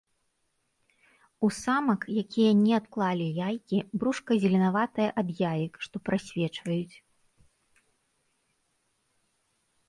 У самак, якія не адклалі яйкі, брушка зеленаватае ад яек, што прасвечваюць.